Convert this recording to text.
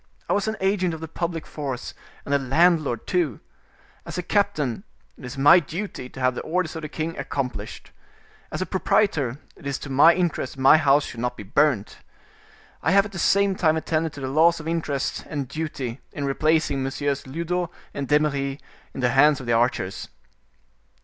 I was an agent of the public force and a landlord, too. As a captain, it is my duty to have the orders of the king accomplished. As a proprietor, it is to my interest my house should not be burnt. I have at the same time attended to the laws of interest and duty in replacing Messieurs Lyodot and D'Eymeris in the hands of the archers."